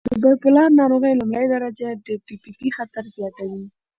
د بایپولار ناروغۍ لومړۍ درجه د پي پي پي خطر زیاتوي.